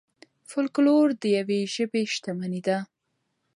فولکلور د یوې ژبې شتمني ده.